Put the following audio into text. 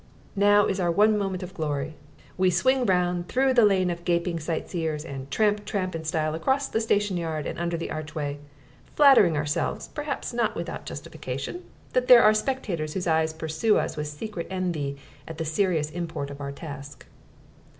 Now is our one moment of glory. We swing round, through the lane of gaping sightseers, and tramp tramp in style across the station yard and under the archway, flattering ourselves (perhaps not without justification) that there are spectators whose eyes pursue us with secret envy at the serious import of our task.